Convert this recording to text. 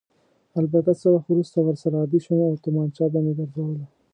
البته څه وخت وروسته ورسره عادي شوم او تومانچه به مې ګرځوله.